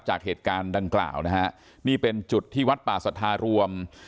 จากเหตุการณ์ดังกล่าวนะฮะนี่เป็นจุดที่วัดป่าสัทธารวม